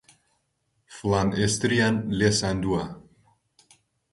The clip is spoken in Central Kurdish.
فڵان ئێستریان لێ ساندووە